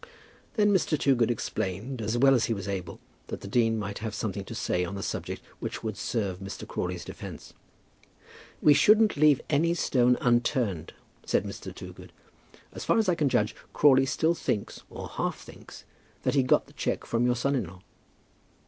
Then Mr. Toogood explained as well as he was able that the dean might have something to say on the subject which would serve Mr. Crawley's defence. "We shouldn't leave any stone unturned," said Mr. Toogood. "As far as I can judge, Crawley still thinks, or half thinks, that he got the cheque from your son in law."